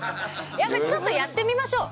やっぱりちょっとやってみましょう！